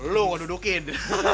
lo yang gue dudukin